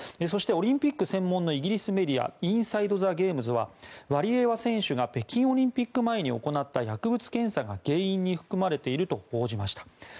そして、オリンピック専門のイギリスメディアインサイド・ザ・ゲームズはワリエワ選手が北京オリンピック前に行った薬物検査が原因に含まれていると報じました。